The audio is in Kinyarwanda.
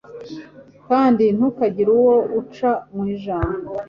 kandi ntukagire uwo uca mu ijambo